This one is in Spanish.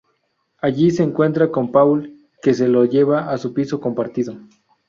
Allí se encuentra con Paul, que se lo lleva a su piso compartido.